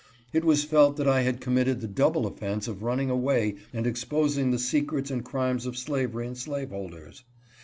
It was felt that I had committed the double offense of running away and exposing the secrets and crimes of slavery and slaveholders.